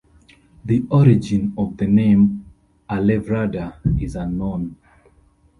The origin of the name "Alevrada" is unknown.